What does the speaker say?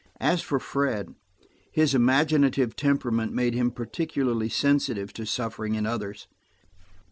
As for Fred, his imaginative temperament made him particularly sensitive to suffering in others.